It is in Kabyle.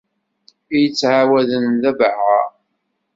I yettɛawaden d abeɛɛa